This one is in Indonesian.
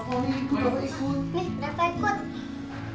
nih nafah ikut